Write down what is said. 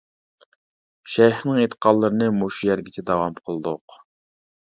شەيخنىڭ ئېيتقانلىرىنى مۇشۇ يەرگىچە داۋام قىلدۇق.